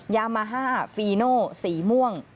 ยามาฮ่าฟีโนสีม่วง